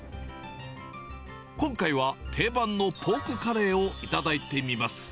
今回は、定番のポークカレーを頂いてみます。